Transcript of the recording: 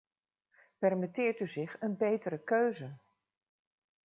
Permitteert u zich een betere keuze!